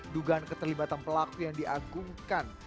dugaan keterlibatan pelaku yang diagumkan